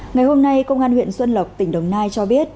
ngày hôm nay công an huyện xuân lộc tỉnh đồng nai cho biết